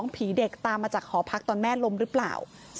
ผีเด็กตามมาจากหอพักตอนแม่ล้มหรือเปล่า